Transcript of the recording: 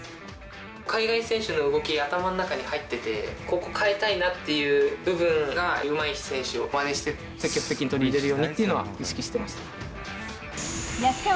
海外選手の動きは頭の中に入ってて、ここ変えたいなっていう部分がうまい選手をまねして、積極的に取り入れるようにっていうのは意識してました。